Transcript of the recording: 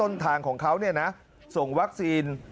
ให้ประเทศต้นทางของเขาส่งแว็กซีน